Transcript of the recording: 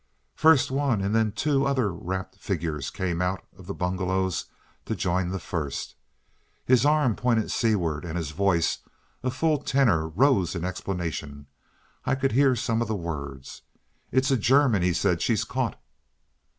First one and then two other wrappered figures came out of the bungalows to join the first. His arm pointed seaward, and his voice, a full tenor, rose in explanation. I could hear some of the words. "It's a German!" he said. "She's caught."